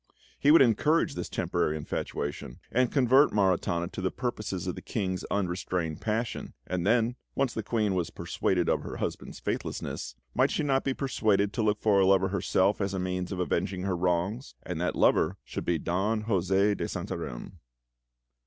He would encourage this temporary infatuation, and convert Maritana to the purposes of the King's unrestrained passion; and then, once the Queen was persuaded of her husband's faithlessness, might she not be persuaded to look for a lover herself, as a means of avenging her wrongs? And that lover should be Don José de Santarem!